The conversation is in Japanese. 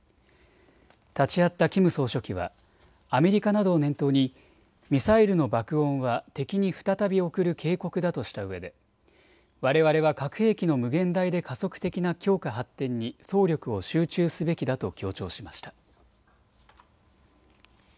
立ち会ったキム総書記はアメリカなどを念頭にミサイルの爆音は敵に再び送る警告だとしたうえでわれわれは核兵器の無限大で加速的な強化・発展に総力を集中すべきだと強調しました。